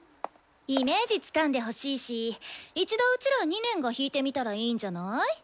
イメージつかんでほしいし一度うちら２年が弾いてみたらいいんじゃない？